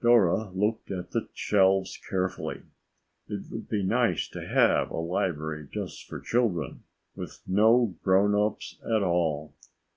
Dora looked at the shelves carefully. It would be nice to have a library just for children, with no grown ups at all.